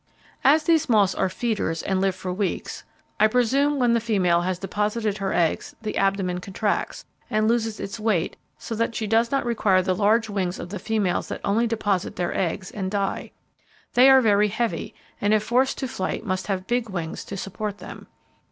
As these moths are feeders, and live for weeks, I presume when the female has deposited her eggs, the abdomen contracts, and loses its weight so that she does not require the large wings of the females that only deposit their eggs and die. They are very heavy, and if forced to flight must have big wings to support them.